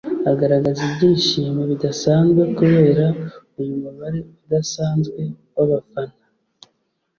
agaragaza ibyishimo bidasanzwe kubera uyu mubare udasanzwe w’abafana